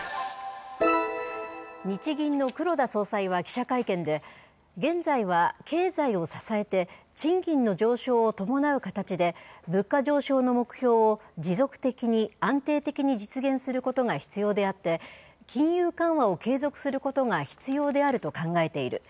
日銀の黒田総裁は記者会見で、現在は経済を支えて賃金の上昇を伴う形で、物価上昇の目標を持続的に、安定的に実現することが必要であって、金融緩和を継続することが必要であると考えている。